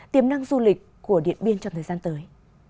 tiềm năng du lịch của điện biên trong thời gian tới